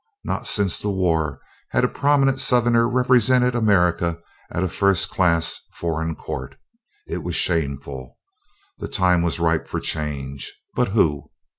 Not since the war had a prominent Southerner represented America at a first class foreign court; it was shameful; the time was ripe for change. But who?